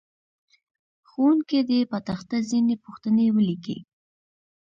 ښوونکی دې په تخته ځینې پوښتنې ولیکي.